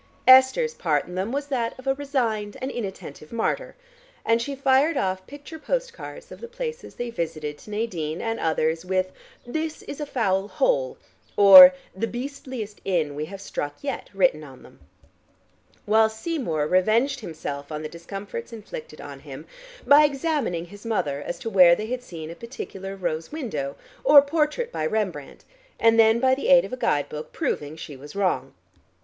Esther's part in them was that of a resigned and inattentive martyr, and she fired off picture postcards of the places they visited to Nadine and others with "This is a foul hole," or "The beastliest inn we have struck yet" written on them, while Seymour revenged himself on the discomforts inflicted on him, by examining his mother as to where they had seen a particular rose window or portrait by Rembrandt, and then by the aid of a guide book proving she was wrong.